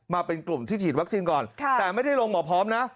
มาเป็นกลุ่มที่ฉีดวัคซีนก่อนแต่ไม่ได้ลงหมอพร้อมนะ